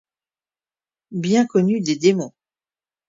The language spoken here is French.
Bien connu des démons.